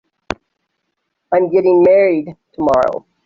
I'm getting married tomorrow.